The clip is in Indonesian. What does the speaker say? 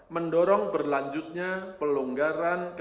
mendorong berlanjutnya pelonggaran